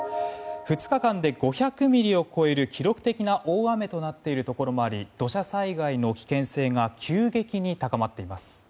２日間で５００ミリを超える記録的な大雨となっているところもあり土砂災害の危険性が急激に高まっています。